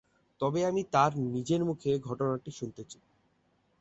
তবে আমি তাঁর নিজের মুখে ঘটনাটা শুনতে চাই।